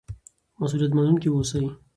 مسؤلیت منونکي اوسئ.